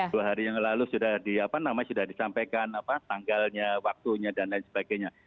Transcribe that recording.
dua hari yang lalu sudah disampaikan tanggalnya waktunya dan lain sebagainya